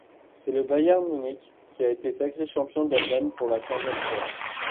C'est le Bayern Munich qui a été sacré champion d'Allemagne pour la quinzième fois.